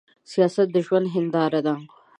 سياست د ژوند هينداره ده.